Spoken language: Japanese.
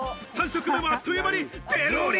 ３食目もあっという間にペロリ。